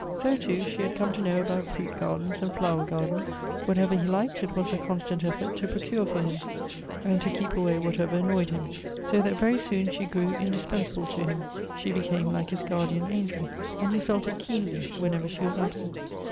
So, too, she had come to know about fruit gardens, and flower gardens ; whatever he liked, it was lier constant effort to procure for him, and to keep away whatever annoyed him ; so that very soon she grew indispensable to him — she became like his guardian angel, and he felt it keenly whenever she was absent.